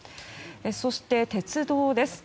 そして、鉄道です。